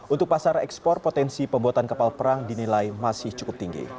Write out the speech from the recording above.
untuk pasar ekspor potensi pembuatan kapal perang dinilai masih cukup tinggi